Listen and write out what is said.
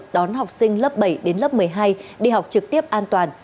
đón học sinh lớp bảy đến lớp một mươi hai đi học trực tiếp an toàn